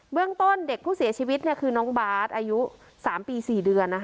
เรื่องต้นเด็กผู้เสียชีวิตคือน้องบาทอายุ๓ปี๔เดือน